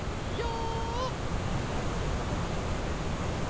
これも分かんなかったな。